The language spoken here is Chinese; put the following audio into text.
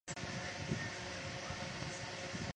主要人口是阿斯特拉罕鞑靼人与诺盖人。